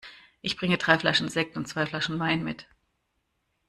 Ich bringe drei Flaschen Sekt und zwei Flaschen Wein mit.